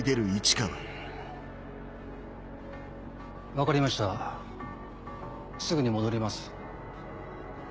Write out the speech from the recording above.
分かりましたすぐに戻ります。